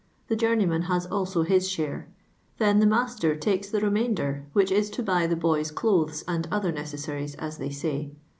the journeyman has also his »bare; thn the master trikes tht* riMuainder, which is to \mf the boysi' clothes and other necessaries, as they liy.